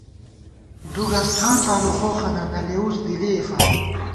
دُو گز ٹھان تانُو خوخَنہ نہ لېوُس دِلّی ئےفار